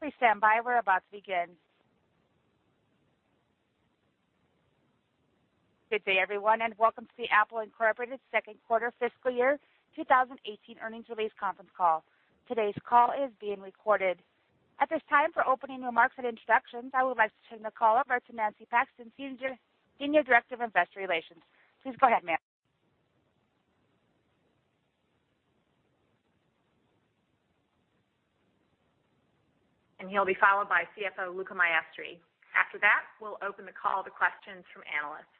Good day, everyone. Welcome to the Apple Inc. Second Quarter Fiscal Year 2018 Earnings Release Conference Call. Today's call is being recorded. At this time, for opening remarks and introductions, I would like to turn the call over to Nancy Paxton, Senior Director of Investor Relations. Please go ahead, ma'am. He'll be followed by CFO Luca Maestri. After that, we'll open the call to questions from analysts.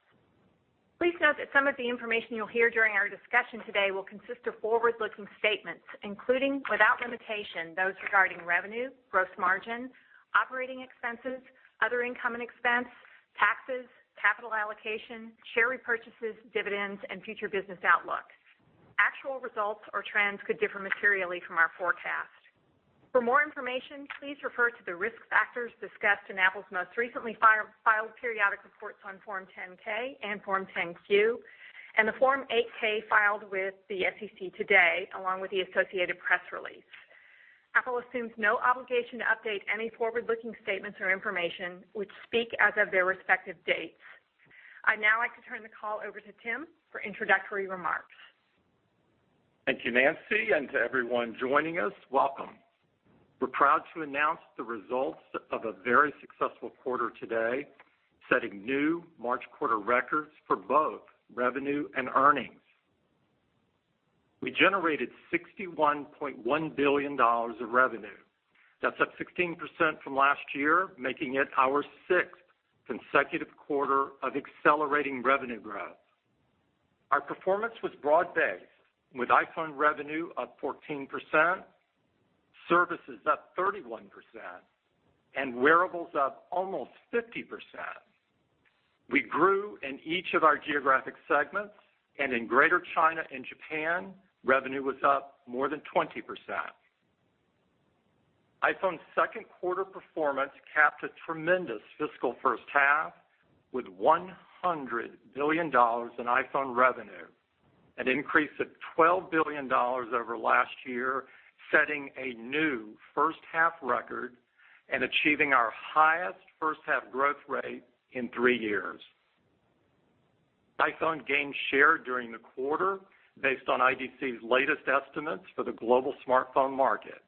Please note that some of the information you'll hear during our discussion today will of forward-looking statements, including, without limitation, those regarding revenue, gross margin, operating expenses, other income and expense, taxes, capital allocation, share repurchases, dividends, and future business outlook. Actual results or trends could differ materially from our forecast. For more information, please refer to the risk factors discussed in Apple's most recently filed periodic reports on Form 10-K and Form 10-Q, and the Form 8-K filed with the SEC today, along with the associated press release. Apple assumes no obligation to update any forward-looking statements or information, which speak as of their respective dates. I'd now like to turn the call over to Tim for introductory remarks. Thank you, Nancy, and to everyone joining us, welcome. We're proud to announce the results of a very successful quarter today, setting new March quarter records for both revenue and earnings. We generated $61.1 billion of revenue. That's up 16% from last year, making it our sixth consecutive quarter of accelerating revenue growth. Our performance was broad-based, with iPhone revenue up 14%, services up 31%, and wearables up almost 50%. We grew in each of our geographic segments, and in Greater China and Japan, revenue was up more than 20%. iPhone's second quarter performance capped a tremendous fiscal first half with $100 billion in iPhone revenue, an increase of $12 billion over last year, setting a new first-half record and achieving our highest first-half growth rate in three years. iPhone gained share during the quarter based on IDC's latest estimates for the global smartphone market.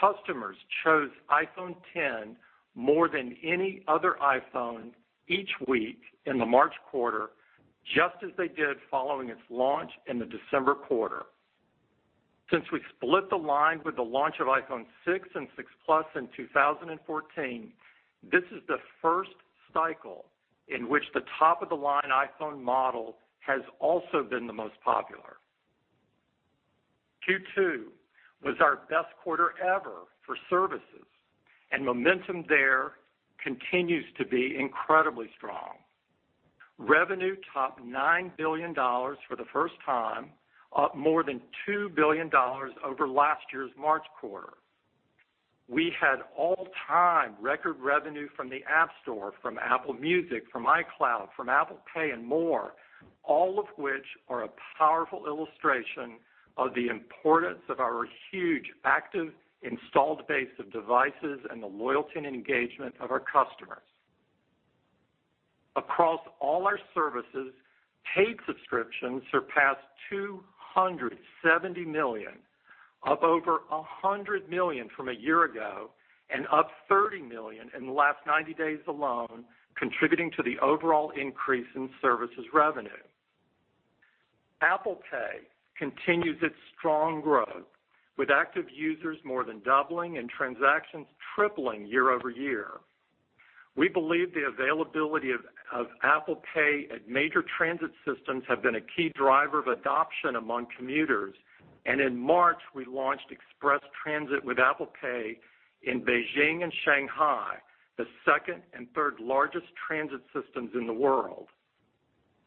Customers chose iPhone X more than any other iPhone each week in the March quarter, just as they did following its launch in the December quarter. Since we split the line with the launch of iPhone 6 and 6 Plus in 2014, this is the first cycle in which the top-of-the-line iPhone model has also been the most popular. Q2 was our best quarter ever for services, and momentum there continues to be incredibly strong. Revenue topped $9 billion for the first time, up more than $2 billion over last year's March quarter. We had all-time record revenue from the App Store, from Apple Music, from iCloud, from Apple Pay, and more, all of which are a powerful illustration of the importance of our huge active installed base of devices and the loyalty and engagement of our customers. Across all our services, paid subscriptions surpassed $270 million, up over $100 million from a year ago and up $30 million in the last 90 days alone, contributing to the overall increase in services revenue. Apple Pay continues its strong growth, with active users more than doubling and transactions tripling year-over-year. We believe the availability of Apple Pay at major transit systems have been a key driver of adoption among commuters. In March, we launched Express Transit with Apple Pay in Beijing and Shanghai, the second and third largest transit systems in the world.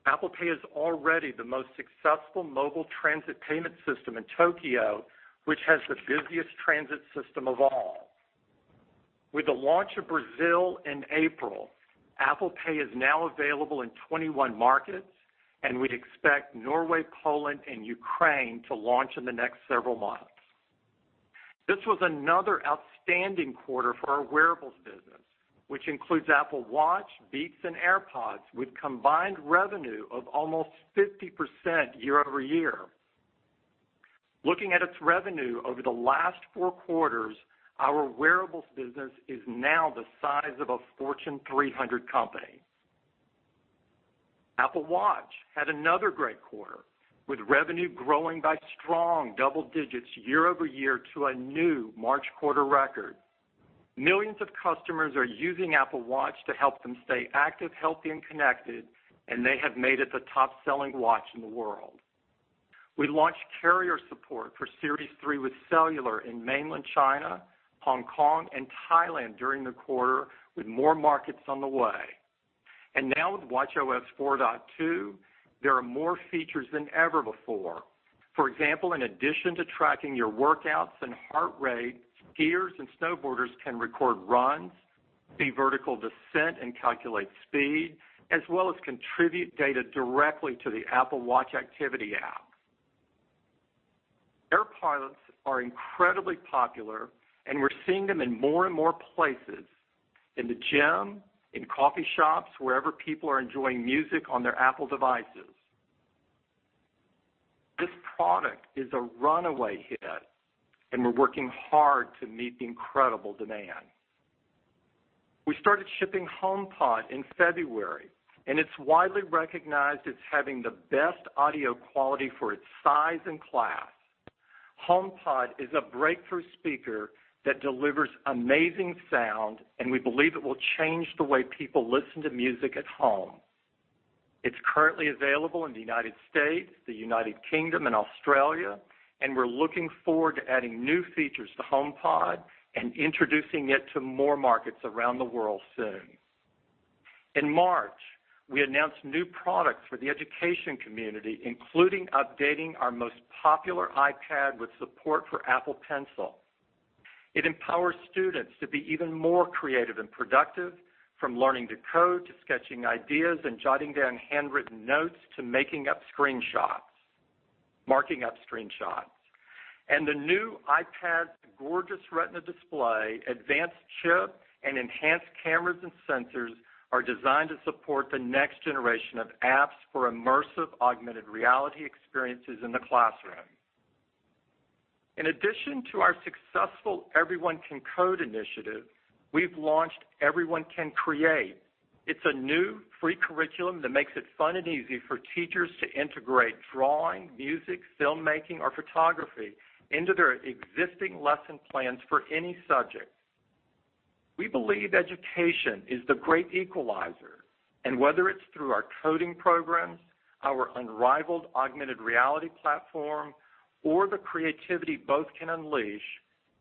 Apple Pay is already the most successful mobile transit payment system in Tokyo, which has the busiest transit system of all. With the launch of Brazil in April, Apple Pay is now available in 21 markets, and we'd expect Norway, Poland, and Ukraine to launch in the next several months. This was another outstanding quarter for our wearables business, which includes Apple Watch, Beats, and AirPods, with combined revenue of almost 50% year-over-year. Looking at its revenue over the last four quarters, our wearables business is now the size of a Fortune 300 company. Apple Watch had another great quarter, with revenue growing by strong double digits year-over-year to a new March quarter record. Millions of customers are using Apple Watch to help them stay active, healthy, and connected, and they have made it the top-selling watch in the world. We launched carrier support for Series 3 with cellular in Mainland China, Hong Kong, and Thailand during the quarter, with more markets on the way. Now with watchOS 4.2, there are more features than ever before. For example, in addition to tracking your workouts and heart rate, skiers and snowboarders can record runs, see vertical descent, and calculate speed, as well as contribute data directly to the Apple Watch Activity app. AirPods are incredibly popular, and we're seeing them in more and more places, in the gym, in coffee shops, wherever people are enjoying music on their Apple devices. This product is a runaway hit, and we're working hard to meet the incredible demand. We started shipping HomePod in February, and it's widely recognized as having the best audio quality for its size and class. HomePod is a breakthrough speaker that delivers amazing sound. We believe it will change the way people listen to music at home. It's currently available in the U.S., the U.K., and Australia. We're looking forward to adding new features to HomePod and introducing it to more markets around the world soon. In March, we announced new products for the education community, including updating our most popular iPad with support for Apple Pencil. It empowers students to be even more creative and productive, from learning to code to sketching ideas and jotting down handwritten notes to marking up screenshots. The new iPad's gorgeous Retina display, advanced chip, and enhanced cameras and sensors are designed to support the next generation of apps for immersive augmented reality experiences in the classroom. In addition to our successful Everyone Can Code initiative, we've launched Everyone Can Create. It's a new free curriculum that makes it fun and easy for teachers to integrate drawing, music, filmmaking, or photography into their existing lesson plans for any subject. We believe education is the great equalizer, and whether it's through our coding programs, our unrivaled augmented reality platform, or the creativity both can unleash,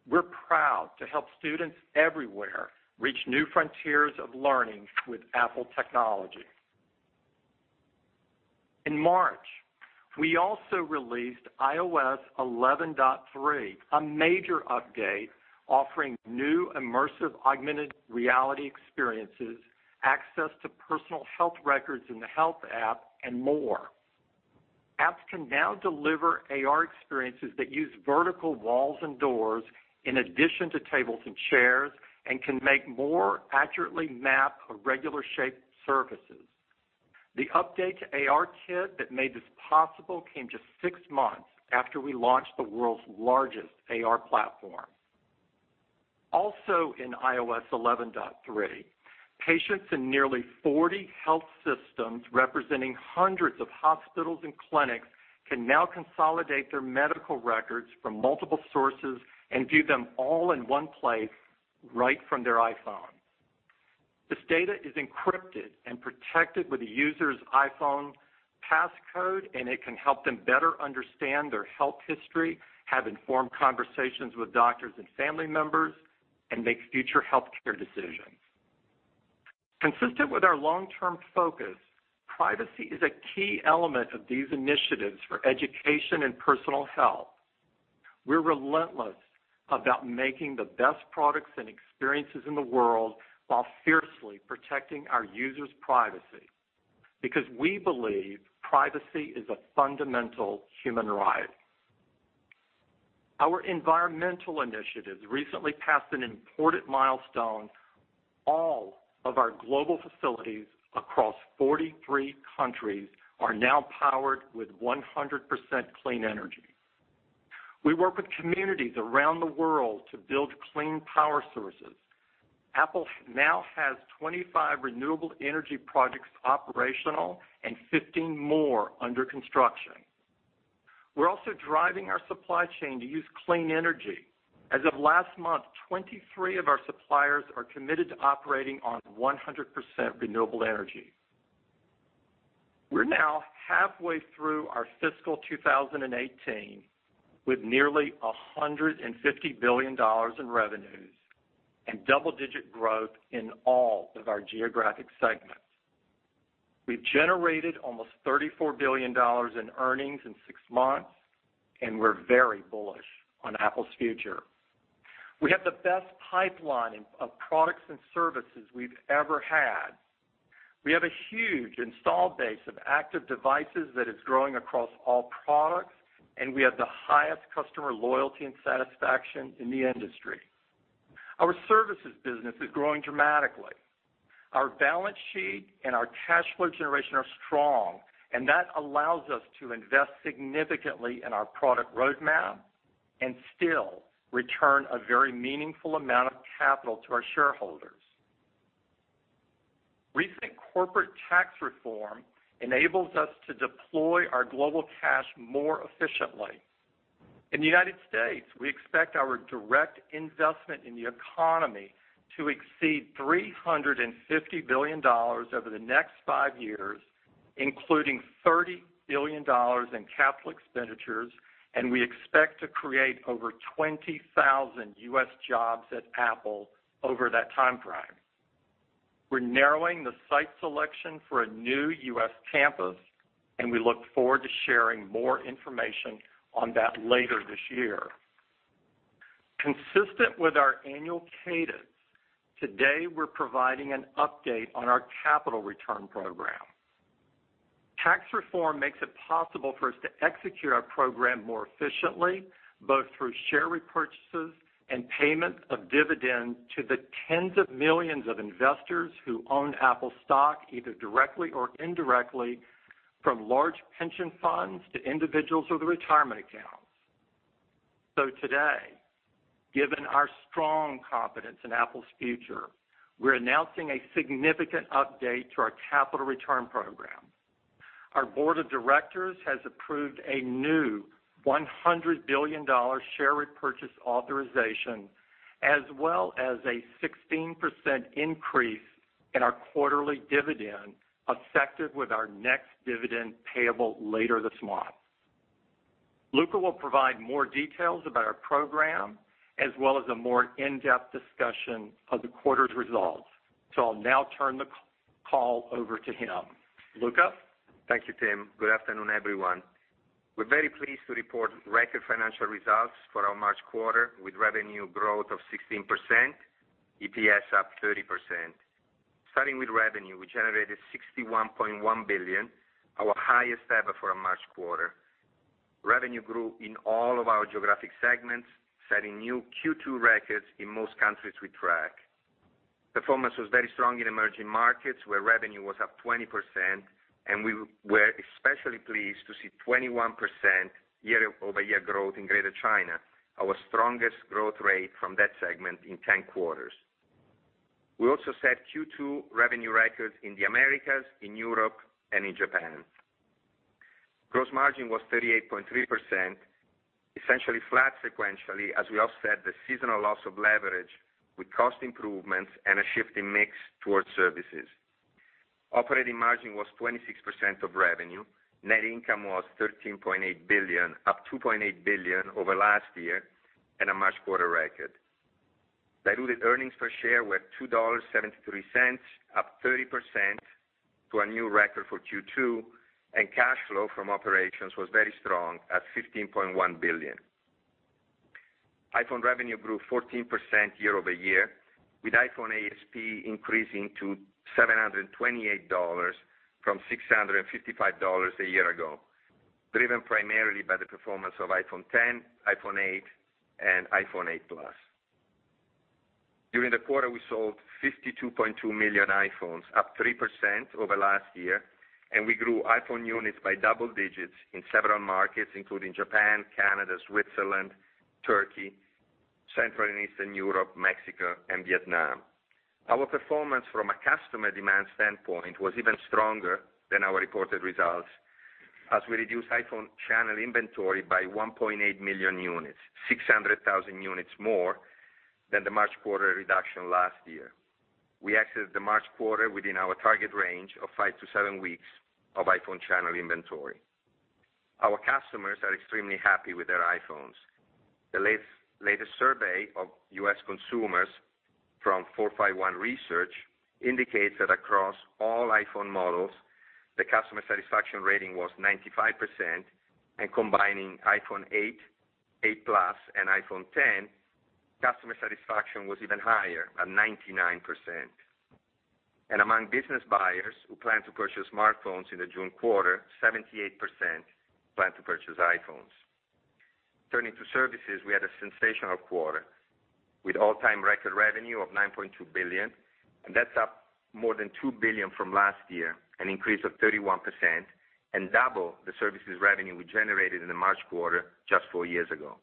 we're proud to help students everywhere reach new frontiers of learning with Apple technology. In March, we also released iOS 11.3, a major update offering new immersive augmented reality experiences, access to personal health records in the Health app, and more. Apps can now deliver AR experiences that use vertical walls and doors in addition to tables and chairs and can make more accurately map irregular-shaped surfaces. The update to ARKit that made this possible came just six months after we launched the world's largest AR platform. Also in iOS 11.3, patients in nearly 40 health systems representing hundreds of hospitals and clinics can now consolidate their medical records from multiple sources and view them all in one place right from their iPhone. This data is encrypted and protected with a user's iPhone passcode, and it can help them better understand their health history, have informed conversations with doctors and family members, and make future healthcare decisions. Consistent with our long-term focus, privacy is a key element of these initiatives for education and personal health. We're relentless about making the best products and experiences in the world while fiercely protecting our users' privacy because we believe privacy is a fundamental human right. Our environmental initiatives recently passed an important milestone. All of our global facilities across 43 countries are now powered with 100% clean energy. We work with communities around the world to build clean power sources. Apple now has 25 renewable energy projects operational and 15 more under construction. We're also driving our supply chain to use clean energy. As of last month, 23 of our suppliers are committed to operating on 100% renewable energy. We're now halfway through our fiscal 2018 with nearly $150 billion in revenues and double-digit growth in all of our geographic segments. We've generated almost $34 billion in earnings in six months. We're very bullish on Apple's future. We have the best pipeline of products and services we've ever had. We have a huge install base of active devices that is growing across all products. We have the highest customer loyalty and satisfaction in the industry. Our services business is growing dramatically. Our balance sheet and our cash flow generation are strong, and that allows us to invest significantly in our product roadmap and still return a very meaningful amount of capital to our shareholders. Recent corporate tax reform enables us to deploy our global cash more efficiently. In the United States, we expect our direct investment in the economy to exceed $350 billion over the next five years, including $30 billion in capital expenditures, and we expect to create over 20,000 U.S. jobs at Apple over that time frame. We're narrowing the site selection for a new U.S. campus, and we look forward to sharing more information on that later this year. Consistent with our annual cadence, today we're providing an update on our capital return program. Tax reform makes it possible for us to execute our program more efficiently, both through share repurchases and payment of dividends to the tens of millions of investors who own Apple stock, either directly or indirectly, from large pension funds to individuals with retirement accounts. Today, given our strong confidence in Apple's future, we're announcing a significant update to our capital return program. Our Board of Directors has approved a new $100 billion share repurchase authorization, as well as a 16% increase in our quarterly dividend, effective with our next dividend payable later this month. Luca will provide more details about our program, as well as a more in-depth discussion of the quarter's results. I'll now turn the call over to him. Luca? Thank you, Tim. Good afternoon, everyone. We're very pleased to report record financial results for our March quarter, with revenue growth of 16%, EPS up 30%. Starting with revenue, we generated $61.1 billion, our highest ever for a March quarter. Revenue grew in all of our geographic segments, setting new Q2 records in most countries we track. Performance was very strong in emerging markets, where revenue was up 20%. We were especially pleased to see 21% year-over-year growth in Greater China, our strongest growth rate from that segment in 10 quarters. We also set Q2 revenue records in the Americas, in Europe, and in Japan. Gross margin was 38.3%, essentially flat sequentially as we offset the seasonal loss of leverage with cost improvements and a shift in mix towards services. Operating margin was 26% of revenue. Net income was $13.8 billion, up $2.8 billion over last year and a March quarter record. Diluted earnings per share were $2.73, up 30% to a new record for Q2, and cash flow from operations was very strong at $15.1 billion. iPhone revenue grew 14% year-over-year, with iPhone ASP increasing to $728 from $655 a year ago, driven primarily by the performance of iPhone X, iPhone 8, and iPhone 8 Plus. During the quarter, we sold 52.2 million iPhones, up 3% over last year, and we grew iPhone units by double digits in several markets, including Japan, Canada, Switzerland, Turkey, Central and Eastern Europe, Mexico, and Vietnam. Our performance from a customer demand standpoint was even stronger than our reported results, as we reduced iPhone channel inventory by 1.8 million units, 600,000 units more than the March quarter reduction last year. We exited the March quarter within our target range of five to seven weeks of iPhone channel inventory. Our customers are extremely happy with their iPhones. The latest survey of U.S. consumers from 451 Research indicates that across all iPhone models, the customer satisfaction rating was 95%, and combining iPhone 8 Plus, and iPhone X, customer satisfaction was even higher at 99%. Among business buyers who plan to purchase smartphones in the June quarter, 78% plan to purchase iPhones. Turning to services, we had a sensational quarter with all-time record revenue of $9.2 billion, and that's up more than $2 billion from last year, an increase of 31%, and double the services revenue we generated in the March quarter just four years ago.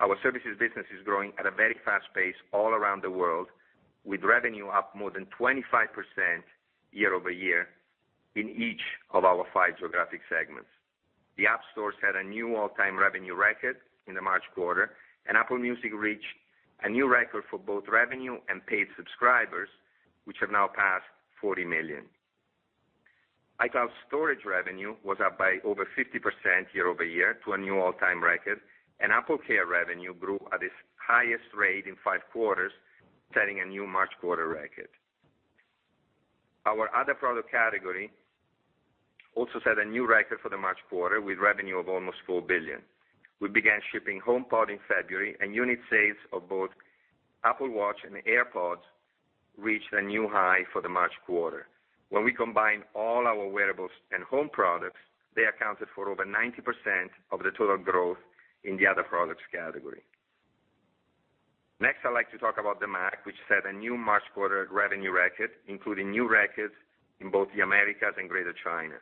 Our services business is growing at a very fast pace all around the world, with revenue up more than 25% year-over-year in each of our five geographic segments. The App Store set a new all-time revenue record in the March quarter, and Apple Music reached a new record for both revenue and paid subscribers, which have now passed 40 million. iCloud storage revenue was up by over 50% year-over-year to a new all-time record, and AppleCare revenue grew at its highest rate in five quarters, setting a new March quarter record. Our other product category also set a new record for the March quarter with revenue of almost $4 billion. We began shipping HomePod in February, and unit sales of both Apple Watch and AirPods reached a new high for the March quarter. When we combine all our wearables and home products, they accounted for over 90% of the total growth in the other products category. Next, I'd like to talk about the Mac, which set a new March quarter revenue record, including new records in both the Americas and Greater China.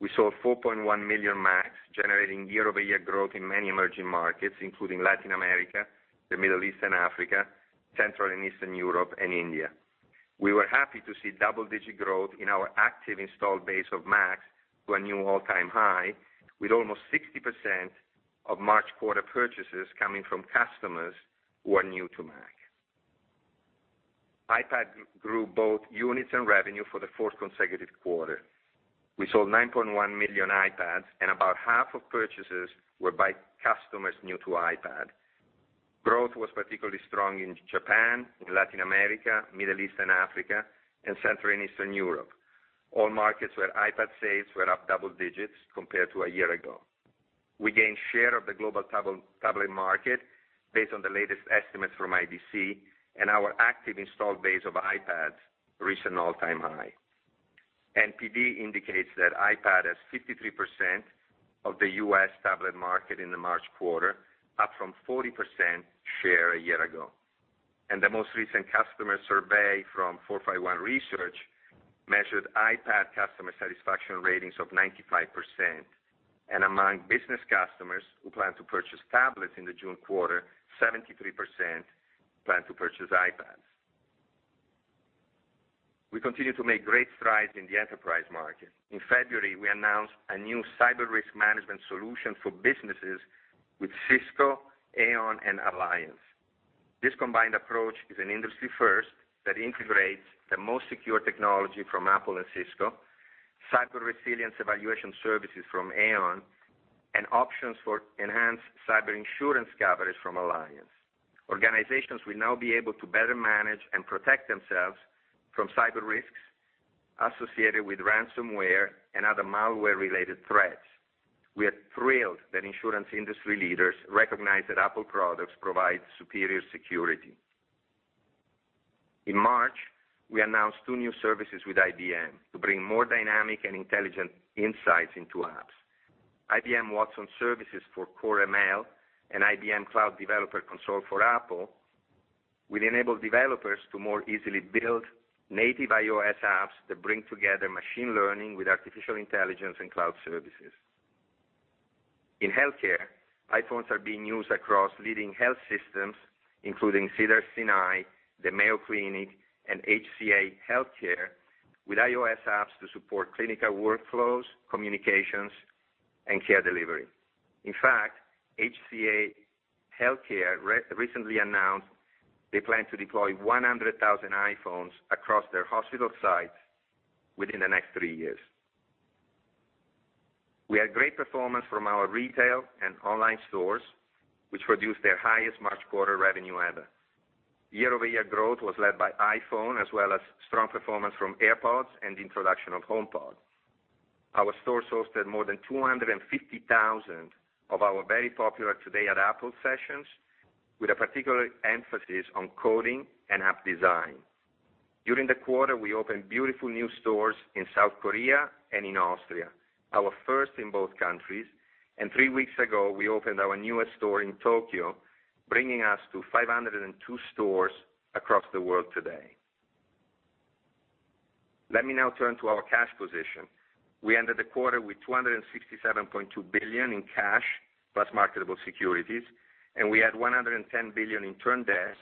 We sold 4.1 million Macs, generating year-over-year growth in many emerging markets, including Latin America, the Middle East and Africa, Central and Eastern Europe, and India. We were happy to see double-digit growth in our active installed base of Mac to a new all-time high, with almost 60% of March quarter purchases coming from customers who are new to Mac. iPad grew both units and revenue for the fourth consecutive quarter. We sold 9.1 million iPads, and about half of purchases were by customers new to iPad. Growth was particularly strong in Japan, in Latin America, Middle East and Africa, and Central and Eastern Europe. All markets where iPad sales were up double digits compared to a year ago. We gained share of the global tablet market based on the latest estimates from IDC and our active installed base of iPads reached an all-time high. NPD indicates that iPad has 53% of the U.S. tablet market in the March quarter, up from 40% share a year ago. The most recent customer survey from 451 Research measured iPad customer satisfaction ratings of 95%. Among business customers who plan to purchase tablets in the June quarter, 73% plan to purchase iPads. We continue to make great strides in the enterprise market. In February, we announced a new cyber risk management solution for businesses with Cisco, Aon, and Allianz. This combined approach is an industry first that integrates the most secure technology from Apple and Cisco, cyber resilience evaluation services from Aon, and options for enhanced cyber insurance coverage from Allianz. Organizations will now be able to better manage and protect themselves from cyber risks associated with ransomware and other malware-related threats. We are thrilled that insurance industry leaders recognize that Apple products provide superior security. In March, we announced two new services with IBM to bring more dynamic and intelligent insights into apps. IBM Watson Services for Core ML and IBM Cloud Developer Console for Apple will enable developers to more easily build native iOS apps that bring together machine learning with artificial intelligence and cloud services. In healthcare, iPhones are being used across leading health systems, including Cedars-Sinai, the Mayo Clinic, and HCA Healthcare with iOS apps to support clinical workflows, communications, and care delivery. In fact, HCA Healthcare recently announced they plan to deploy 100,000 iPhones across their hospital sites within the next three years. We had great performance from our retail and online stores, which produced their highest March quarter revenue ever. Year-over-year growth was led by iPhone, as well as strong performance from AirPods and the introduction of HomePod. Our stores hosted more than 250,000 of our very popular Today at Apple sessions, with a particular emphasis on coding and app design. During the quarter, we opened beautiful new stores in South Korea and in Austria, our first in both countries. Three weeks ago, we opened our newest store in Tokyo, bringing us to 502 stores across the world today. Let me now turn to our cash position. We ended the quarter with $267.2 billion in cash, plus marketable securities, and we had $110 billion in current debt.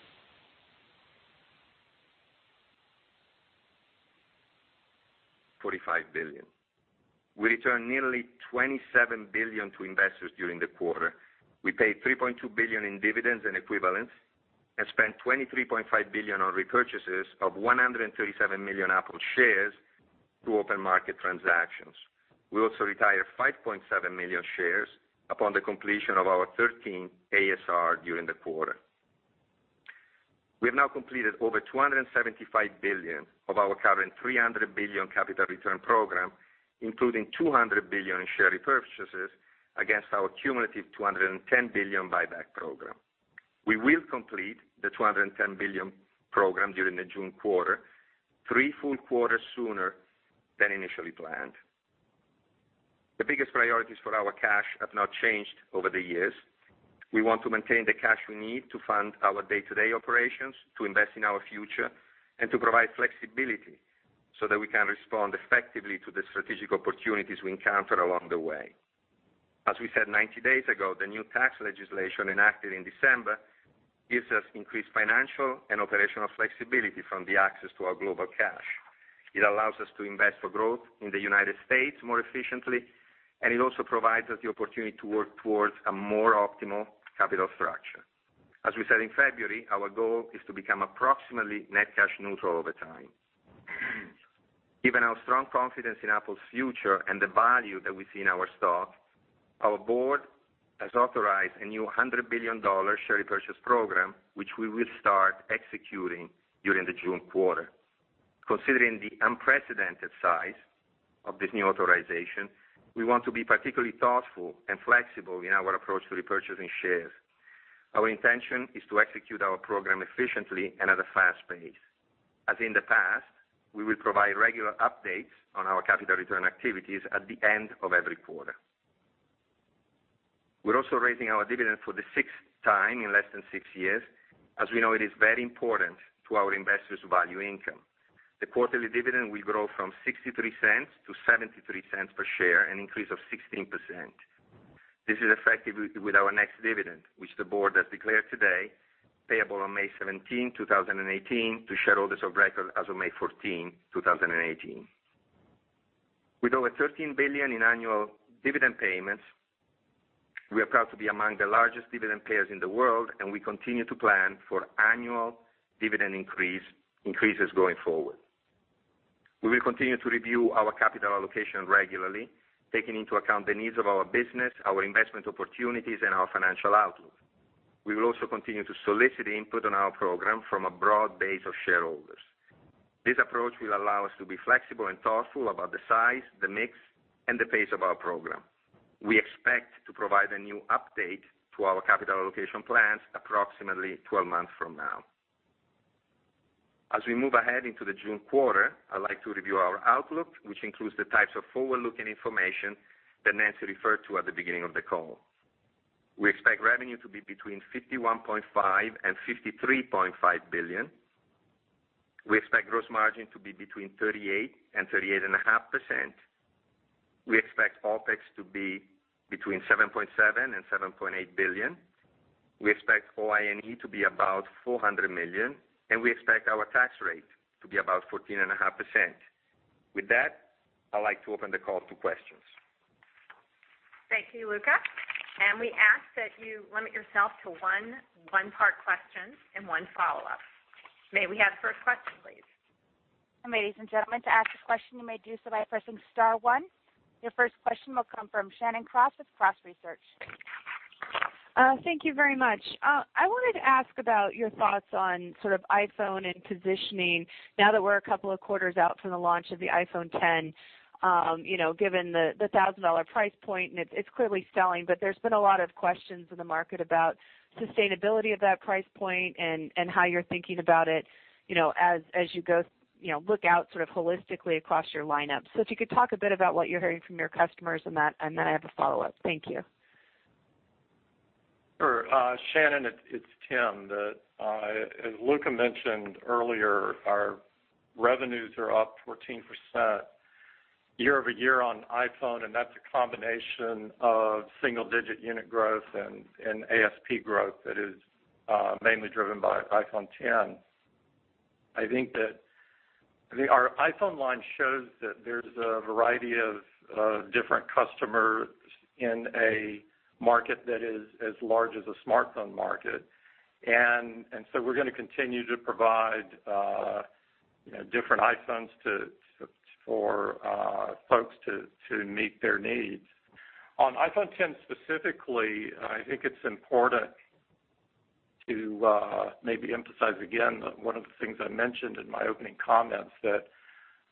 $45 billion. We returned nearly $27 billion to investors during the quarter. We paid $3.2 billion in dividends and equivalents and spent $23.5 billion on repurchases of 137 million Apple shares through open market transactions. We also retired 5.7 million shares upon the completion of our 13th ASR during the quarter. We have now completed over $275 billion of our current $300 billion capital return program, including $200 billion in share repurchases against our cumulative $210 billion buyback program. We will complete the $210 billion program during the June quarter, three full quarters sooner than initially planned. The biggest priorities for our cash have not changed over the years. We want to maintain the cash we need to fund our day-to-day operations, to invest in our future, and to provide flexibility so that we can respond effectively to the strategic opportunities we encounter along the way. As we said 90 days ago, the new tax legislation enacted in December gives us increased financial and operational flexibility from the access to our global cash. It allows us to invest for growth in the U.S. more efficiently, and it also provides us the opportunity to work towards a more optimal capital structure. As we said in February, our goal is to become approximately net cash neutral over time. Given our strong confidence in Apple's future and the value that we see in our stock, our Board has authorized a new $100 billion share repurchase program, which we will start executing during the June quarter. Considering the unprecedented size of this new authorization, we want to be particularly thoughtful and flexible in our approach to repurchasing shares. Our intention is to execute our program efficiently and at a fast pace. As in the past, we will provide regular updates on our capital return activities at the end of every quarter. We're also raising our dividend for the sixth time in less than six years, as we know it is very important to our investors' value income. The quarterly dividend will grow from $0.63 to $0.73 per share, an increase of 16%. This is effective with our next dividend, which the Board has declared today, payable on May 17, 2018 to shareholders of record as of May 14, 2018. With over $13 billion in annual dividend payments, we are proud to be among the largest dividend payers in the world, and we continue to plan for annual dividend increases going forward. We will also continue to review our capital allocation regularly, taking into account the needs of our business, our investment opportunities, and our financial outlook. We will also continue to solicit input on our program from a broad base of shareholders. This approach will allow us to be flexible and thoughtful about the size, the mix, and the pace of our program. We expect to provide a new update to our capital allocation plans approximately 12 months from now. As we move ahead into the June quarter, I'd like to review our outlook, which includes the types of forward-looking information that Nancy referred to at the beginning of the call. We expect revenue to be between $51.5 billion and $53.5 billion. We expect gross margin to be between 38% and 38.5%. We expect OpEx to be between $7.7 billion and $7.8 billion. We expect OI&E to be about $400 million, and we expect our tax rate to be about 14.5%. With that, I like to open the call to questions. Thank you, Luca. We ask that you limit yourself to one part question and one follow-up. May we have first question, please? Ladies and gentlemen. Your first question will come from Shannon Cross with Cross Research. Thank you very much. I wanted to ask about your thoughts on sort of iPhone and positioning now that we're a couple of quarters out from the launch of the iPhone X given the $1,000 price point, and it's clearly selling. There's been a lot of questions in the market about sustainability of that price point and how you're thinking about it as you go look out sort of holistically across your lineup. If you could talk a bit about what you're hearing from your customers on that, and then I have a follow-up. Thank you. Sure. Shannon, it's Tim. As Luca mentioned earlier, our revenues are up 14% year-over-year on iPhone, and that's a combination of single-digit unit growth and ASP growth that is mainly driven by iPhone X. I think our iPhone line shows that there's a variety of different customers in a market that is as large as a smartphone market. So we're going to continue to provide, you know, different iPhones for folks to meet their needs. On iPhone X specifically, I think it's important to maybe emphasize again, one of the things I mentioned in my opening comments that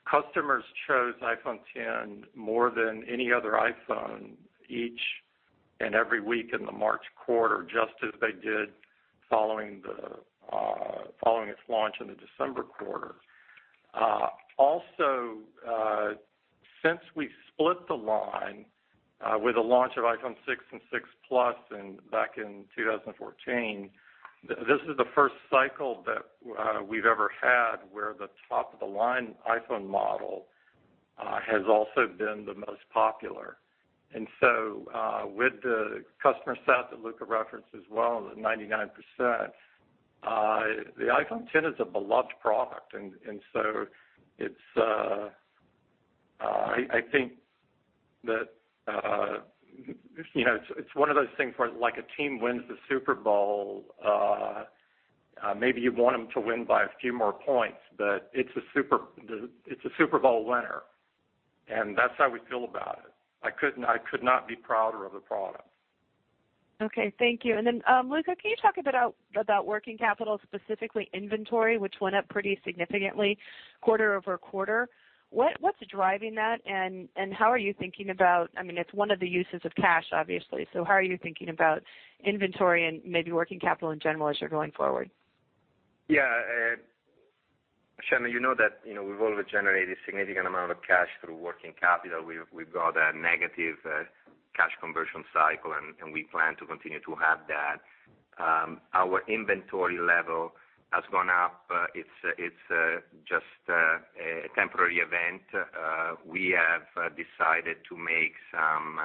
customers chose iPhone X more than any other iPhone each and every week in the March quarter, just as they did following its launch in the December quarter. Also, since we split the line with the launch of iPhone 6 and 6 Plus in, back in 2014, this is the first cycle that we've ever had, where the top-of-the-line iPhone model has also been the most popular. With the customer set that Luca referenced as well, the 99%, the iPhone X is a beloved product. It's one of those things where like a team wins the Super Bowl, maybe you want them to win by a few more points, but it's a Super Bowl winner, and that's how we feel about it. I could not be prouder of the product. Okay. Thank you. Luca, can you talk a bit about working capital, specifically inventory, which went up pretty significantly quarter-over-quarter. What's driving that, and how are you thinking about, it's one of the uses of cash, obviously. How are you thinking about inventory and maybe working capital in general as you're going forward? Shannon, you know that we've always generated significant amount of cash through working capital. We've got a negative cash conversion cycle, and we plan to continue to have that. Our inventory level has gone up. It's just a temporary event. We have decided to make some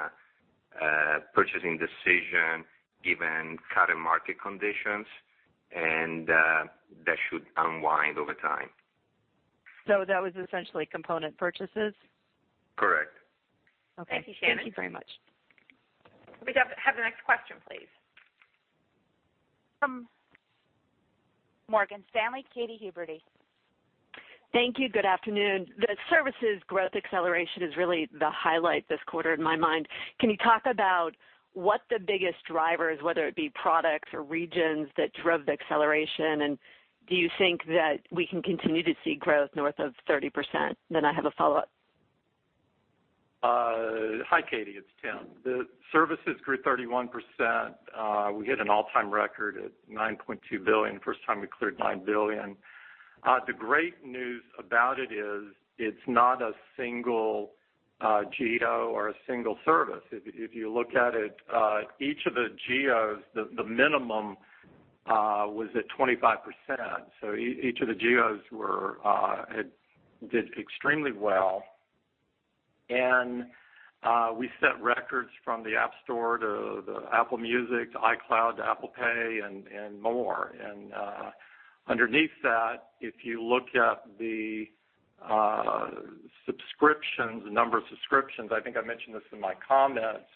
purchasing decision given current market conditions, and that should unwind over time. That was essentially component purchases? Correct. Okay. Thank you, Shannon. Thank you very much. Can we have the next question, please? From Morgan Stanley, Katy Huberty. Thank you. Good afternoon. The services growth acceleration is really the highlight this quarter in my mind. Can you talk about what the biggest drivers, whether it be products or regions that drove the acceleration, and do you think that we can continue to see growth north of 30%? I have a follow-up. Hi, Katy, it's Tim. The services grew 31%. We hit an all-time record at $9.2 billion, first time we cleared $9 billion. The great news about it is it's not a single geo or a single service. If you look at it, each of the geos, the minimum was at 25%. Each of the geos were, did extremely well. We set records from the App Store to the Apple Music to iCloud to Apple Pay and more. Underneath that, if you look at the subscriptions, the number of subscriptions, I think I mentioned this in my comments.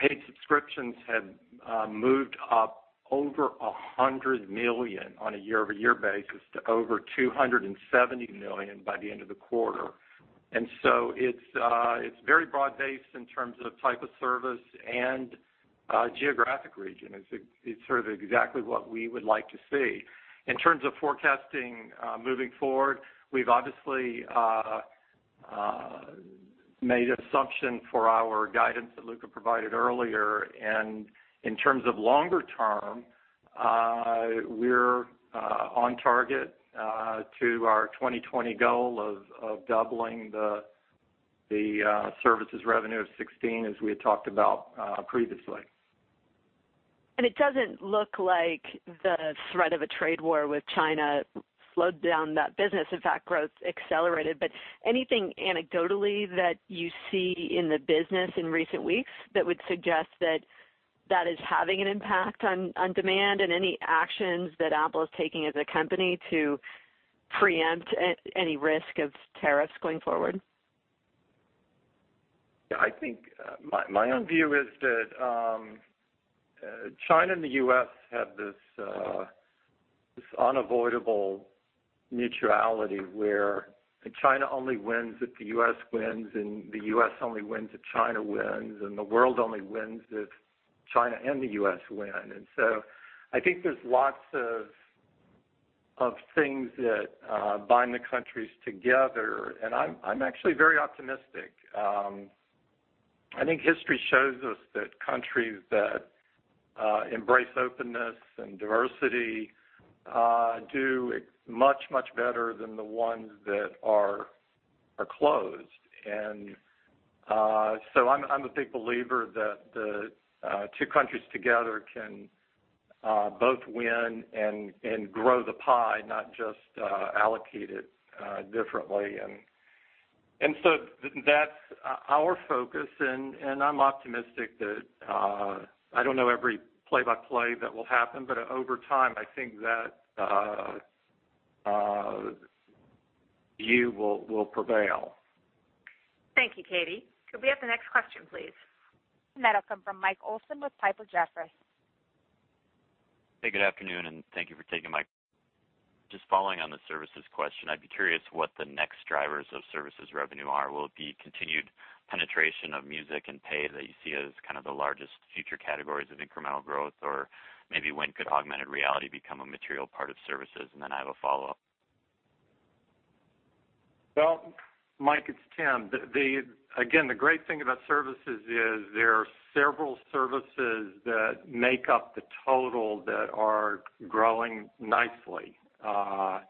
Paid subscriptions have moved up over 100 million on a year-over-year basis to over 270 million by the end of the quarter. It's very broad-based in terms of type of service and geographic region. It's sort of exactly what we would like to see. In terms of forecasting, moving forward, we've obviously made assumption for our guidance that Luca provided earlier. In terms of longer term, we're on target to our 2020 goal of doubling the services revenue of 2016, as we had talked about previously. It doesn't look like the threat of a trade war with China slowed down that business. In fact, growth accelerated. Anything anecdotally that you see in the business in recent weeks that would suggest that that is having an impact on demand and any actions that Apple is taking as a company to preempt any risk of tariffs going forward? My own view is that China and the U.S. have this unavoidable mutuality, where China only wins if the U.S. wins, and the U.S. only wins if China wins, and the world only wins if China and the U.S. win. I think there's lots of things that bind the countries together, and I'm actually very optimistic. I think history shows us that countries that embrace openness and diversity do much, much better than the ones that are closed. So I'm a big believer that the two countries together can both win and grow the pie, not just allocate it differently. That's our focus and I'm optimistic that I don't know every play by play that will happen, but over time, I think that view will prevail. Thank you, Katy. Could we have the next question, please? That'll come from Michael Olson with Piper Jaffray. Hey, good afternoon. Thank you for taking my call. Just following on the services question, I'd be curious what the next drivers of services revenue are. Will it be continued penetration of Music and Pay that you see as kind of the largest future categories of incremental growth? Maybe when could augmented reality become a material part of services? I have a follow-up. Mike, it's Tim. Again, the great thing about services is there are several services that make up the total that are growing nicely. I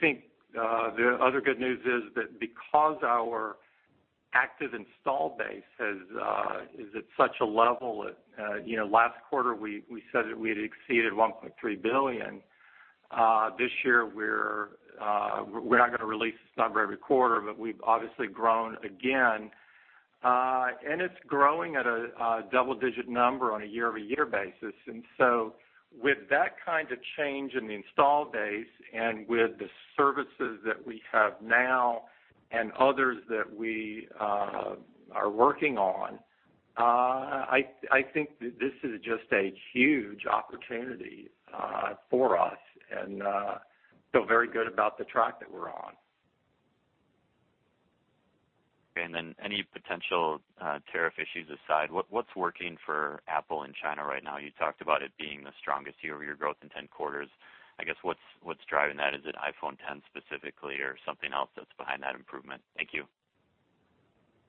think the other good news is that because our active install base has is at such a level that, you know, last quarter, we said that we had exceeded 1.3 billion. This year, we're not gonna release this number every quarter, but we've obviously grown again. It's growing at a double-digit number on a year-over-year basis. With that kind of change in the install base and with the services that we have now and others that we are working on, I think that this is just a huge opportunity for us and feel very good about the track that we're on. Okay. Any potential tariff issues aside, what's working for Apple in China right now? You talked about it being the strongest year-over-year growth in 10 quarters. What's driving that? Is it iPhone X specifically or something else that's behind that improvement? Thank you.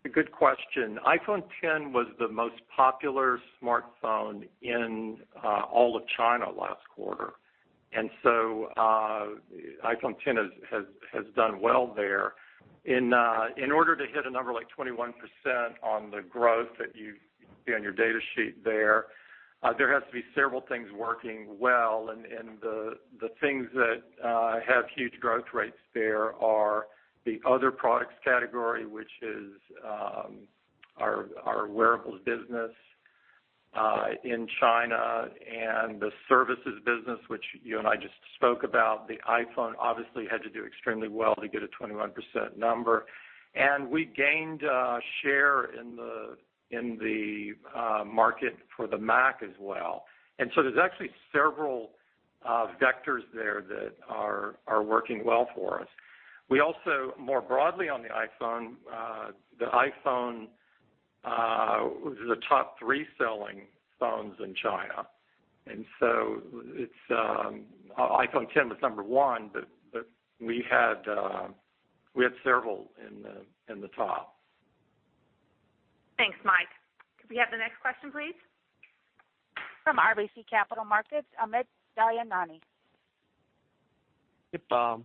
A good question. iPhone X was the most popular smartphone in all of China last quarter. iPhone X has done well there. In order to hit a number like 21% on the growth that you see on your data sheet there has to be several things working well. The things that have huge growth rates there are our wearables business in China and the services business, which you and I just spoke about. The iPhone obviously had to do extremely well to get a 21% number. We gained share in the market for the Mac as well. There's actually several vectors there that are working well for us. We also, more broadly, the iPhone was in the top three selling phones in China. It's iPhone X was number one, but we had several in the top. Thanks, Mike. Could we have the next question, please? From RBC Capital Markets, Amit Daryanani. Yep. Thanks a lot. Two questions from me as well. I guess first one, just touching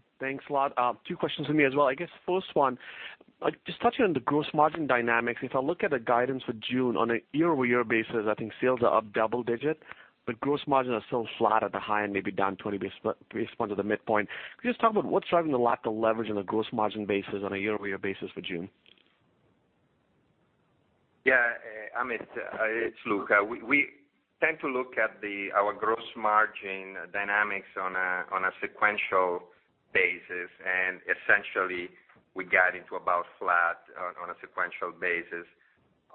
on the gross margin dynamics. If I look at the guidance for June on a year-over-year basis, I think sales are up double digit, but gross margin are still flat at the high-end, maybe down 20 basis points to the midpoint. Could you just talk about what's driving the lack of leverage on the gross margin basis on a year-over-year basis for June? Amit, it's Luca. We tend to look at our gross margin dynamics on a sequential basis, and essentially we got into about flat on a sequential basis.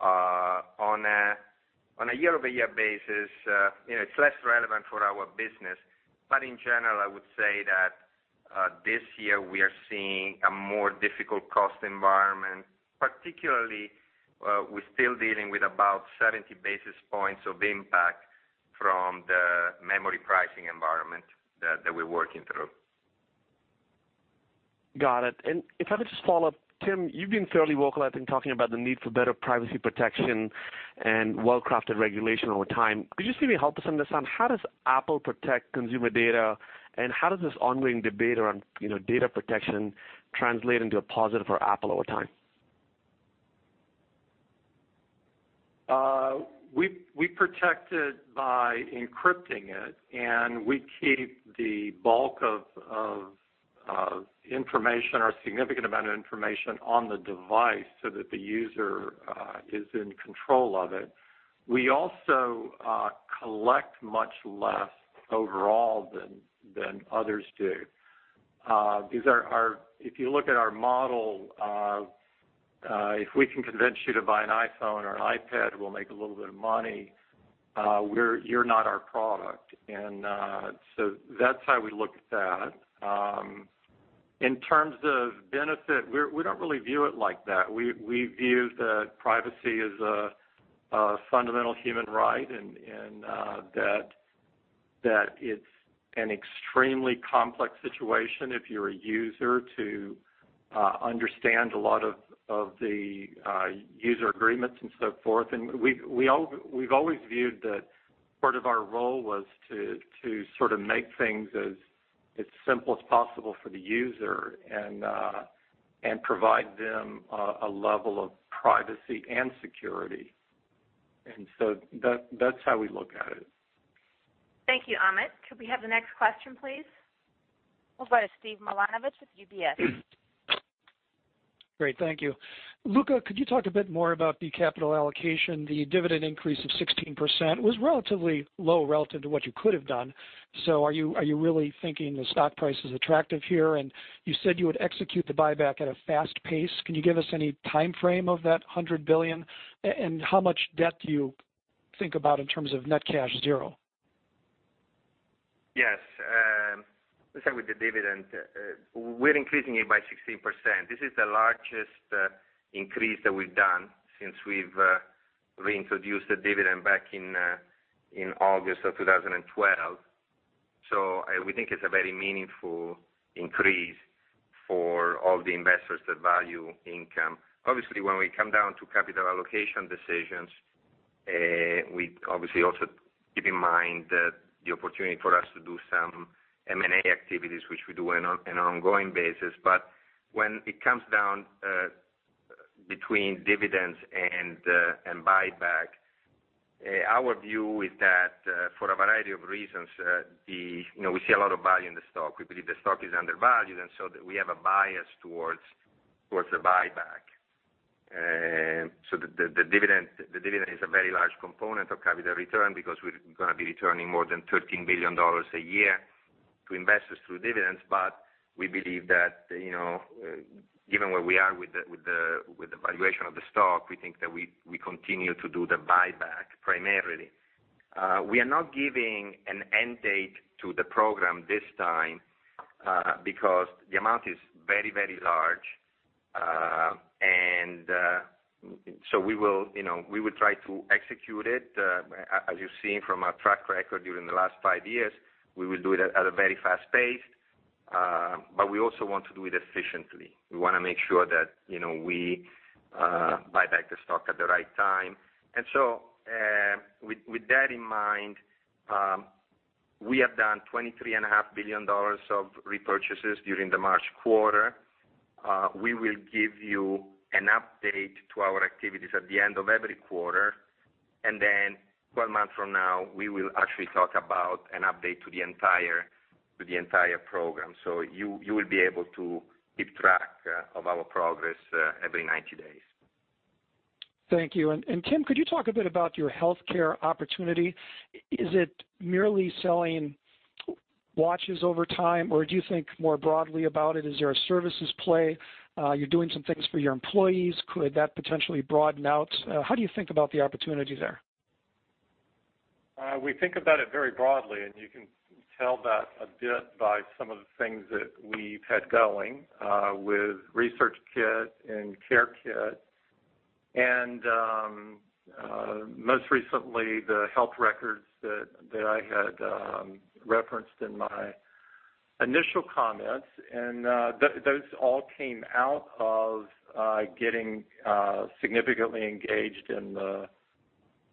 On a year-over-year basis, it's less relevant for our business. In general, I would say that this year we are seeing a more difficult cost environment, particularly, we're still dealing with about 70 basis points of impact from the memory pricing environment that we're working through. Got it. If I could just follow up, Tim, you've been fairly vocal talking about the need for better privacy protection and well-crafted regulation over time. Could you just maybe help us understand how does Apple protect consumer data, and how does this ongoing debate around, you know, data protection translate into a positive for Apple over time? We protect it by encrypting it, and we keep the bulk of information or a significant amount of information on the device so that the user is in control of it. We also collect much less overall than others do. These are our if you look at our model, if we can convince you to buy an iPhone or an iPad, we'll make a little bit of money. You're not our product. That's how we look at that. In terms of benefit, we don't really view it like that. We view that privacy as a fundamental human right and that it's an extremely complex situation if you're a user to understand a lot of the user agreements and so forth. We've always viewed that part of our role was to sort of make things as simple as possible for the user and provide them a level of privacy and security. That's how we look at it. Thank you, Amit. Could we have the next question, please? We'll go to Steven Milunovich with UBS. Great. Thank you. Luca, could you talk a bit more about the capital allocation, the dividend increase of 16% was relatively low relative to what you could have done. Are you really thinking the stock price is attractive here? You said you would execute the buyback at a fast pace. Can you give us any timeframe of that $100 billion? How much debt do you think about in terms of net cash zero? Let's start with the dividend. We're increasing it by 16%. This is the largest increase that we've done since we've reintroduced the dividend back in August of 2012. We think it's a very meaningful increase for all the investors that value income. Obviously, when we come down to capital allocation decisions, we obviously also keep in mind the opportunity for us to do some M&A activities, which we do on an ongoing basis. When it comes down between dividends and buyback, our view is that for a variety of reasons, you know, we see a lot of value in the stock. We believe the stock is undervalued, and so that we have a bias towards the buyback. The dividend is a very large component of capital return because we're gonna be returning more than $13 billion a year to investors through dividends. We believe that given where we are with the valuation of the stock, we think that we continue to do the buyback primarily. We are not giving an end date to the program this time because the amount is very, very large. We will try to execute it, as you've seen from our track record during the last five years, we will do it at a very fast pace, but we also wanna do it efficiently. We wanna make sure that, you know, we buy back the stock at the right time. With that in mind, we have done $23.5 billion Of repurchases during the March quarter. We will give you an update to our activities at the end of every quarter. One month from now, we will actually talk about an update to the entire program. You will be able to keep track of our progress every 90 days. Thank you. Tim, could you talk a bit about your healthcare opportunity? Is it merely selling watches over time, or do you think more broadly about it? Is there a services play? You're doing some things for your employees. Could that potentially broaden out? How do you think about the opportunity there? We think about it very broadly, and you can tell that a bit by some of the things that we've had going with ResearchKit and CareKit and most recently, the health records that I had referenced in my initial comments. Those all came out of getting significantly engaged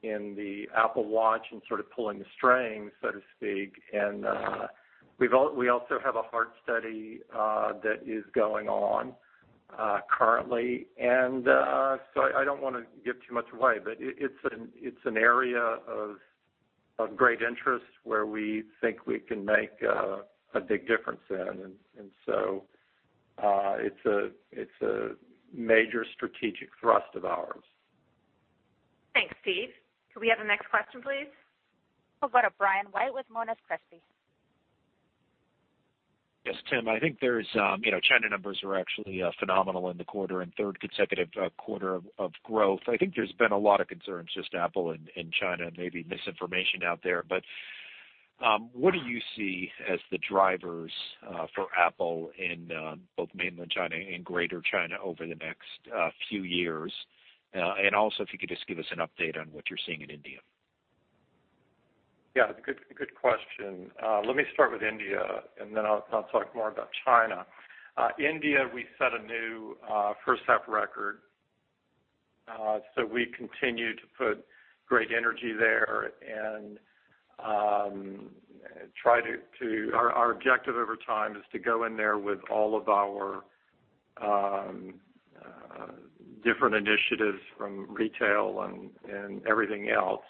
in the Apple Watch and sort of pulling the strings, so to speak. We also have a heart study that is going on currently. I don't want to give too much away, but it's an area of great interest where we think we can make a big difference in. It's a major strategic thrust of ours. Thanks, Steve. Could we have the next question, please? We'll go to Brian White with Monness, Crespi. Yes, Tim, I think there's, you know, China numbers are actually phenomenal in the quarter and third consecutive quarter of growth. I think there's been a lot of concerns, just Apple in China, maybe misinformation out there. What do you see as the drivers for Apple in both mainland China and greater China over the next few years? If you could just give us an update on what you're seeing in India. Good, good question. Let me start with India, then I'll talk more about China. India, we set a new first half record. We continue to put great energy there and try to. Our objective over time is to go in there with all of our different initiatives from retail and everything else.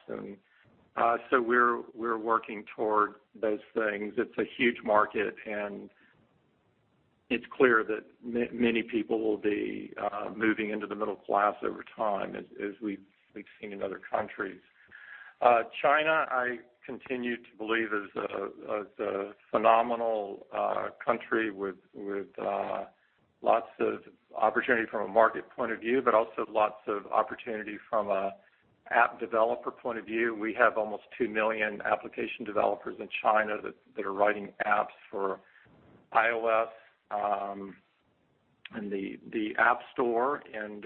We're working toward those things. It's a huge market, and it's clear that many people will be moving into the middle class over time as we've seen in other countries. China, I continue to believe is a phenomenal country with lots of opportunity from a market point of view, but also lots of opportunity from a app developer point of view. We have almost 2 million application developers in China that are writing apps for iOS, and the App Store, and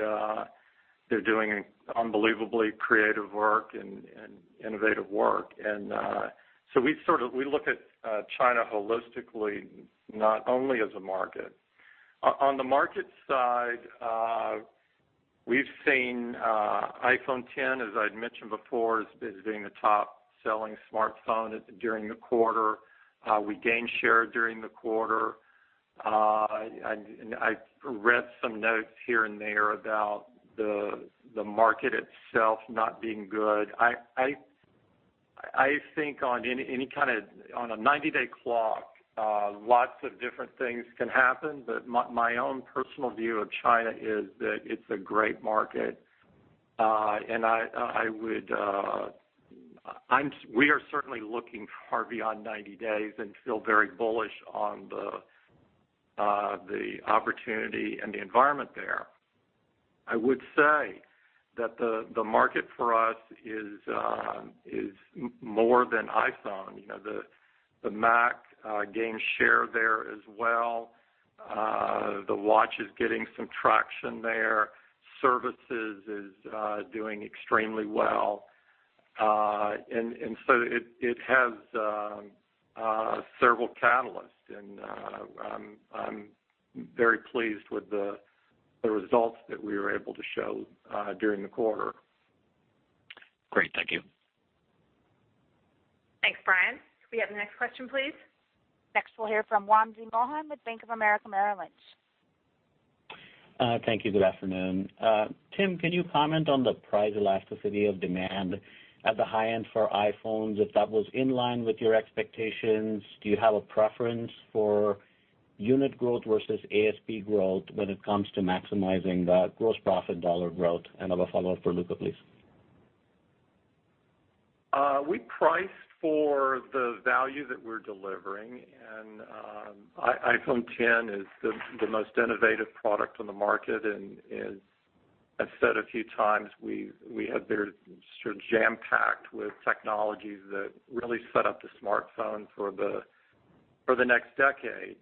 they're doing unbelievably creative work and innovative work. We look at China holistically, not only as a market. On the market side, we've seen iPhone X, as I'd mentioned before, as being the top-selling smartphone during the quarter. We gained share during the quarter. I read some notes here and there about the market itself not being good. I think on a 90-day clock, lots of different things can happen. My own personal view of China is that it's a great market. I would We are certainly looking far beyond 90 days and feel very bullish on the opportunity and the environment there. I would say that the market for us is more than iPhone. The Mac gained share there as well. The Watch is getting some traction there. Services is doing extremely well. It has several catalysts, and I'm very pleased with the results that we were able to show during the quarter. Great. Thank you. Thanks, Brian. Could we have the next question, please? Next, we'll hear from Wamsi Mohan with Bank of America Merrill Lynch. Thank you. Good afternoon. Tim, can you comment on the price elasticity of demand at the high end for iPhones, if that was in line with your expectations? Do you have a preference for unit growth versus ASP growth when it comes to maximizing the gross profit dollar growth? I have a follow-up for Luca, please. We priced for the value that we're delivering, iPhone X is the most innovative product on the market and is, I've said a few times, we have it sort of jam-packed with technologies that really set up the smartphone for the next decade.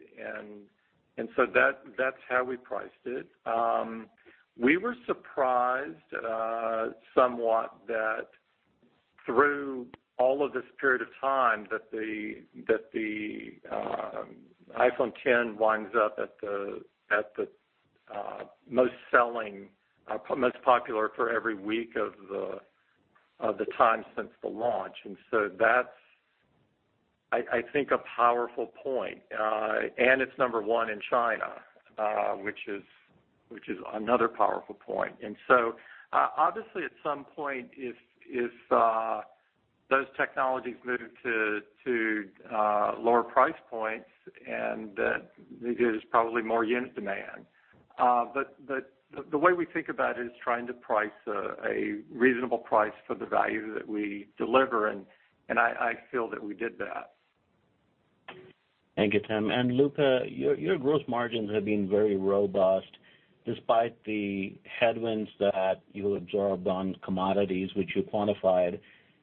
That's how we priced it. We were surprised somewhat that through all of this period of time that the iPhone X winds up at the most selling, most popular for every week of the time since the launch. That's a powerful point. It's number one in China, which is another powerful point. Obviously, at some point, if those technologies move to lower price points and that there's probably more unit demand. The way we think about it is trying to price a reasonable price for the value that we deliver, and I feel that we did that. Thank you, Tim. Luca, your gross margins have been very robust despite the headwinds that you absorbed on commodities which you quantified,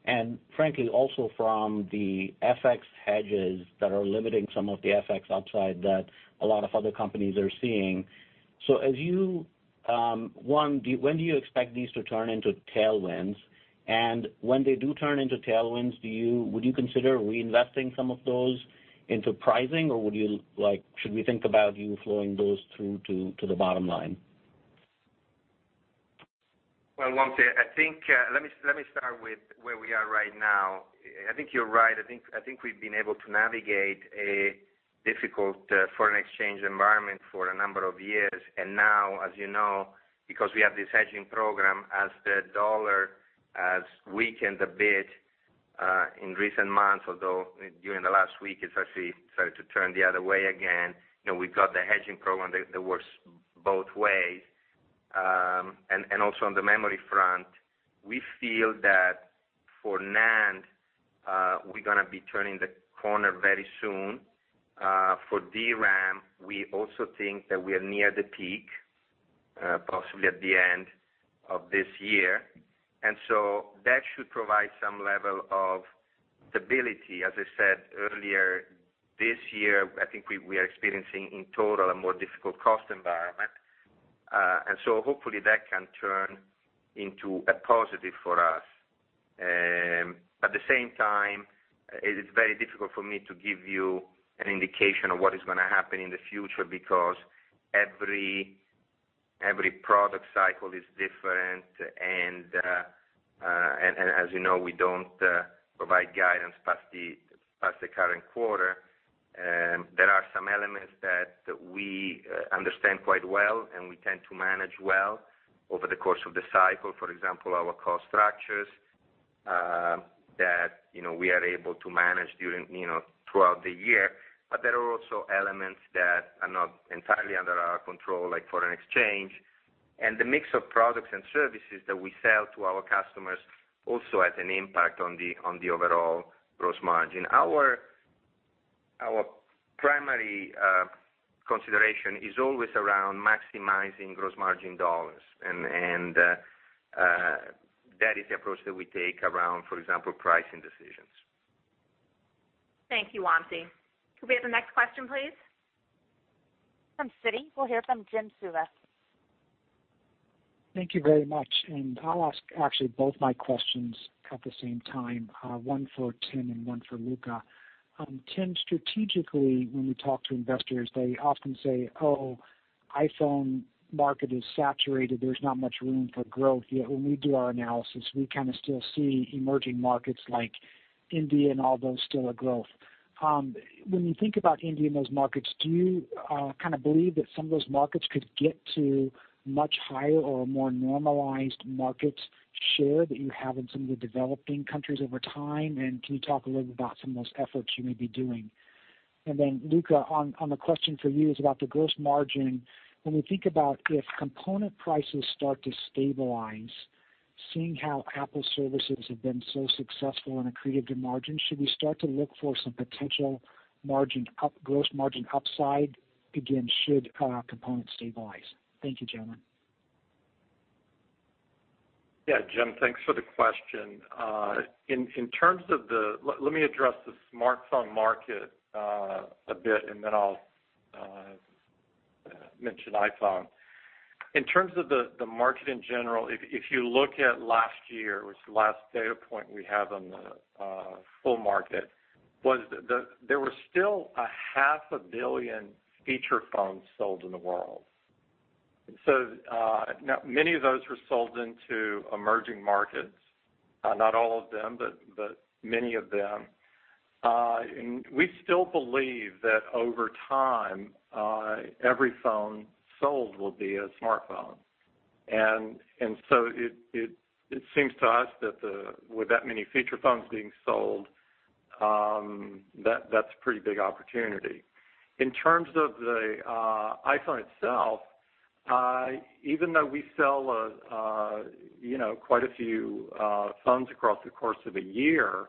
and frankly, also from the FX hedges that are limiting some of the FX upside that a lot of other companies are seeing. As you, when do you expect these to turn into tailwinds? When they do turn into tailwinds, would you consider reinvesting some of those into pricing, or would you, like, should we think about you flowing those through to the bottom line? Wamsi, let me start with where we are right now. I think you're right. I think we've been able to navigate a difficult foreign exchange environment for a number of years. Now, as you know, because we have this hedging program, as the dollar has weakened a bit in recent months, although during the last week, it actually started to turn the other way again. You know, we've got the hedging program that works both ways. And also on the memory front, we feel that for NAND, we're gonna be turning the corner very soon. For DRAM, we also think that we are near the peak, possibly at the end of this year. That should provide some level of stability. As I said earlier this year, I think we are experiencing in total a more difficult cost environment. Hopefully that can turn into a positive for us. At the same time, it is very difficult for me to give you an indication of what is going to happen in the future because every product cycle is different and as you know, we don't provide guidance past the current quarter. There are some elements that we understand quite well, and we tend to manage well over the course of the cycle. For example, our cost structures, that we are able to manage during, you know, throughout the year. There are also elements that are not entirely under our control, like foreign exchange. The mix of products and services that we sell to our customers also has an impact on the overall gross margin. Our primary consideration is always around maximizing gross margin dollars and that is the approach that we take around, for example, pricing decisions. Thank you, Wamsi. Could we have the next question, please? From Citi, we'll hear from Jim Suva. Thank you very much, I'll ask actually both my questions at the same time, one for Tim and one for Luca. Tim, strategically, when we talk to investors, they often say, "Oh, iPhone market is saturated. There's not much room for growth here." When we do our analysis, we kinda still see emerging markets like India and all those still are growth. When you think about India and those markets, do you believe that some of those markets could get to much higher or a more normalized market share that you have in some of the developing countries over time? Can you talk a little bit about some of those efforts you may be doing? Then Luca, on a question for you is about the gross margin. When we think about if component prices start to stabilize, seeing how Apple services have been so successful and have created good margins, should we start to look for some potential gross margin upside again, should components stabilize? Thank you, gentlemen. Jim, thanks for the question. In terms of let me address the smartphone market a bit, and then I'll mention iPhone. In terms of the market in general, if you look at last year, which is the last data point we have on the full market, there were still a half a billion feature phones sold in the world. Now many of those were sold into emerging markets, not all of them, but many of them. We still believe that over time, every phone sold will be a smartphone. It seems to us that with that many feature phones being sold, that's a pretty big opportunity. In terms of the iPhone itself, even though we sell, you know, quite a few phones across the course of a year,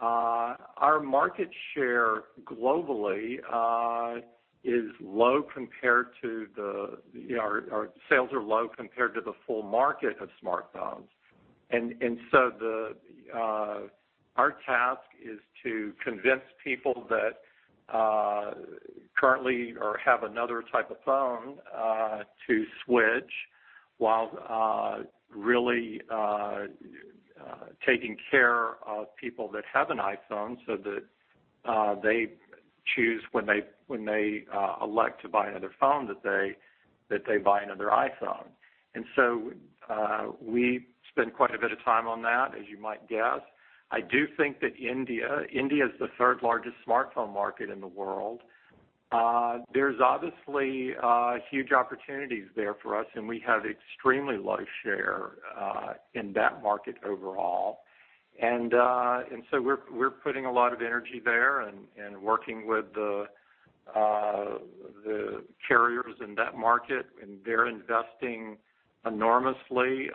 our market share globally is low compared to the, you know, our sales are low compared to the full market of smartphones. Our task is to convince people that currently or have another type of phone to switch while really taking care of people that have an iPhone so that they choose when they elect to buy another phone, that they that they buy another iPhone. We spend quite a bit of time on that, as you might guess. I do think that India is the third largest smartphone market in the world. There's obviously huge opportunities there for us, and we have extremely low share in that market overall. We're putting a lot of energy there and working with the carriers in that market, and they're investing enormously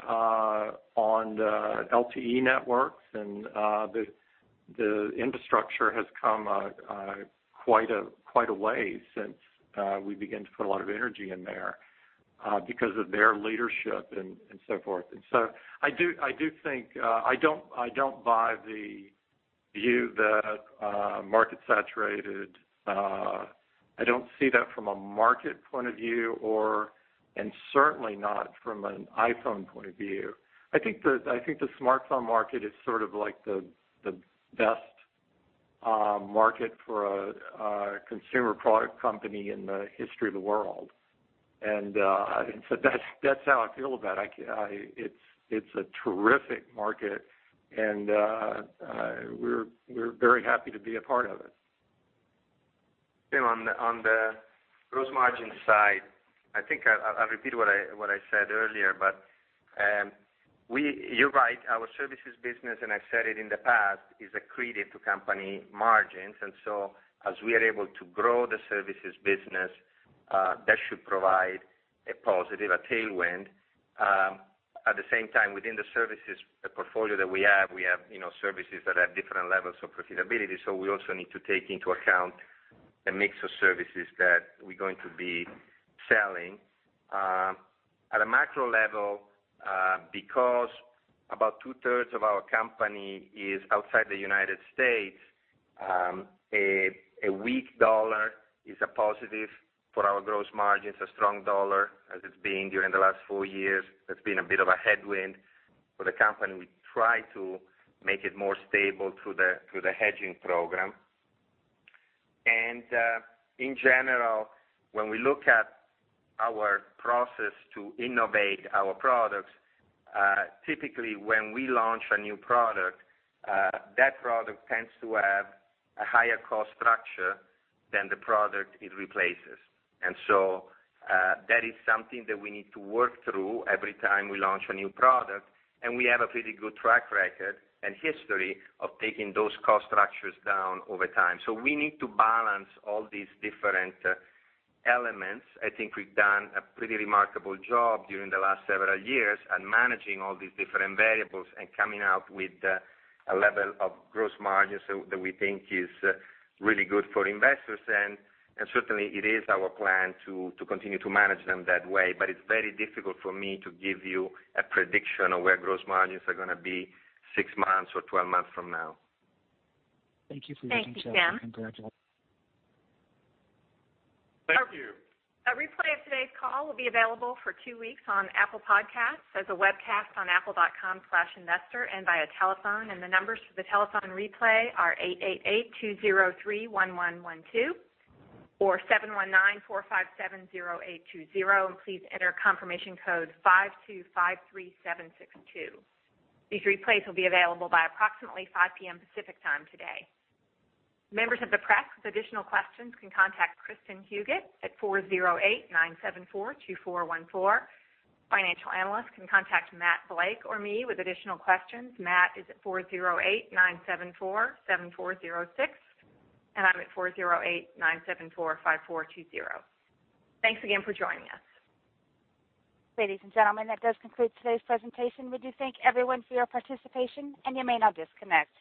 on the LTE networks. The infrastructure has come quite a, quite a way since we began to put a lot of energy in there because of their leadership and so forth. I do, I do think, I don't, I don't buy the view that market's saturated. I don't see that from a market point of view or, and certainly not from an iPhone point of view. I think the smartphone market is like the best market for a consumer product company in the history of the world. That's how I feel about it. It's a terrific market and we're very happy to be a part of it. Tim, on the gross margin side, I think I'll repeat what I said earlier, you're right, our services business, and I said it in the past, is accretive to company margins. As we are able to grow the services business, that should provide a positive tailwind. At the same time, within the services portfolio that we have, we have services that have different levels of profitability. We also need to take into account a mix of services that we're going to be selling. At a macro level, because about 2/3 of our company is outside the U.S., a weak dollar is a positive for our gross margins. A strong dollar, as it's been during the last four years, that's been a bit of a headwind for the company. We try to make it more stable through the, through the hedging program. In general, when we look at our process to innovate our products, typically, when we launch a new product, that product tends to have a higher cost structure than the product it replaces. That is something that we need to work through every time we launch a new product, and we have a pretty good track record and history of taking those cost structures down over time. We need to balance all these different elements. I think we've done a pretty remarkable job during the last several years at managing all these different variables and coming up with a level of gross margins that we think is really good for investors. Certainly, it is our plan to continue to manage them that way. It's very difficult for me to give you a prediction of where gross margins are gonna be six months or 12 months from now. Thank you for the details. Thank you, Jim. Congratulations. Thank you. A replay of today's call will be available for two weeks on Apple Podcasts as a webcast on apple.com/investor and via telephone. The numbers for the telephone replay are 888-203-1112 or 719-457-0820. Please enter confirmation code 5253762. These replays will be available by approximately 5:00 P.M. Pacific Time today. Members of the press with additional questions can contact Kristin Huguet at 408-974-2414. Financial analysts can contact Matt Blake or me with additional questions. Matt is at 408-974-7406, and I'm at 408-974-5420. Thanks again for joining us. Ladies and gentlemen, that does conclude today's presentation. We do thank everyone for your participation, and you may now disconnect.